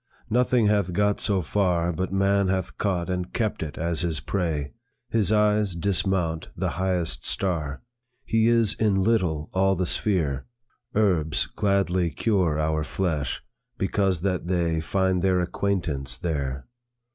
"Nothing hath got so far But man hath caught and kept it as his prey; His eyes dismount the highest star; He is in little all the sphere. Herbs gladly cure our flesh, because that they Find their acquaintance there.